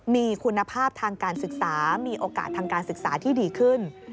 มีคุณภาพทางการศึกษามีโอกาสทางการศึกษาที่ดีขึ้น